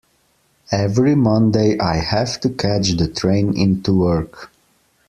Every Monday I have to catch the train into work